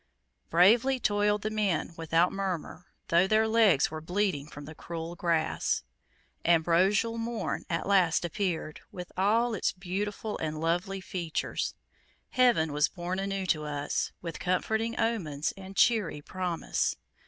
Bravely toiled the men, without murmur, though their legs were bleeding from the cruel grass. "Ambrosial morn" at last appeared, with all its beautiful and lovely features. Heaven was born anew to us, with comforting omens and cheery promise.